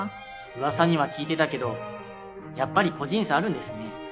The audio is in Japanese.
噂には聞いてたけどやっぱり個人差あるんですね。